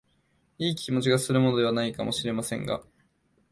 いい気持ちがするものでは無いかも知れませんが、